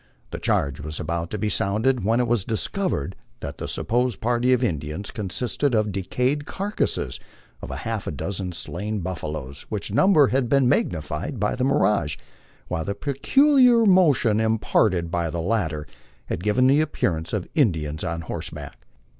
The charge was about to be sounded, when it was discovered that the supposed party of Indians consisted of the decayed carcasses of half a dozen slain buffa loes, which number had been magnified by the mirage, while the peculiar mo tion imparted by the latter had given the appearance of Indians on horseback.